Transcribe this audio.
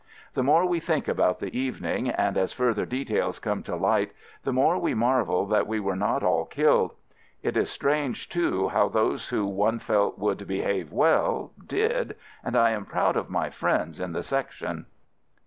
The more we think about the evening, and as further details come to light, the more we marvel that we were not all killed. It is strange, too, how those who one felt would behave well — did — and I am proud of my friends in the Section.